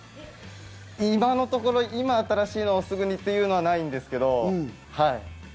今、新しいのをすぐにというのはないんですけど。